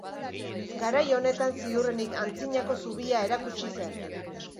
Garai honetan ziurrenik antzinako zubia erakutsi zen.